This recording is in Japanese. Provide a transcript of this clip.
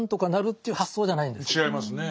違いますねぇ。